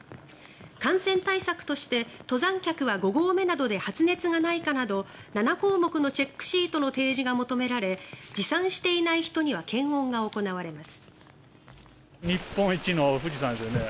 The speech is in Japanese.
感染対策として登山客は５合目などで発熱がないかなど７項目のチェットシートの提示が求められ持参していない人には検温が行われます。